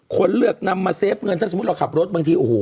คนเลือกนำมาเฟฟเงินถ้าสมมุติเราขับรถบางทีโอ้โห